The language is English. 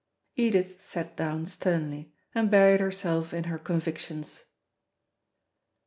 Edith sat down sternly, and buried herself in heir convictions.